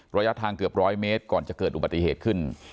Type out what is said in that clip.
ระยะทางเกือบร้อยเมตรก่อนจะเกิดอุบัติเหตุขึ้น